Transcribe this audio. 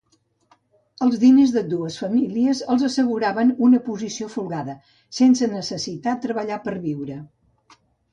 Els diners d'ambdues famílies els asseguraven una posició folgada, sense necessitar treballar per viure.